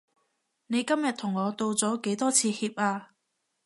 你今日同我道咗幾多次歉啊？